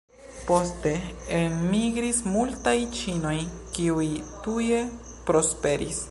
Poste enmigris multaj ĉinoj kiuj tuje prosperis.